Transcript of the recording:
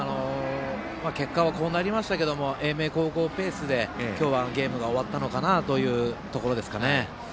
結果はこうなりましたが英明高校ペースで今日は、ゲームが終わったかなというところですね。